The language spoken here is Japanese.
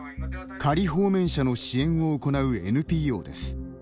仮放免者の支援を行うＮＰＯです。